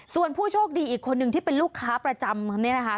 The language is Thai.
ส่วนผู้โชคดีอีกคนนึงที่เป็นลูกค้าประจำเนี่ยนะคะ